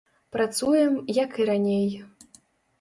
Працуем, як і раней.